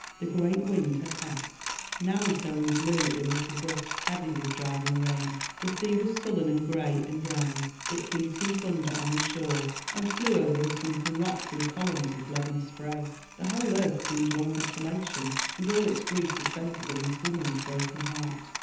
The great wind had passed; now it only blew in little gusts heavy with driving rain. The sea was sullen and grey and grand. It beat in thunder on the shore and flew over the sunken rocks in columns of leaden spray. The whole earth seemed one desolation, and all its grief was centred in this woman's broken heart.